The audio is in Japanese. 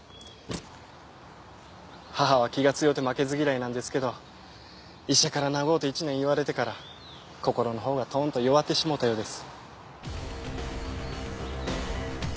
母は気が強うて負けず嫌いなんですけど医者から長うて１年言われてから心のほうがとんと弱ってしもうたようです。